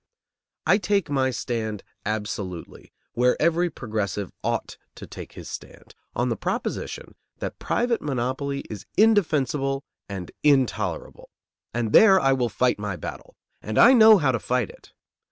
I take my stand absolutely, where every progressive ought to take his stand, on the proposition that private monopoly is indefensible and intolerable. And there I will fight my battle. And I know how to fight it.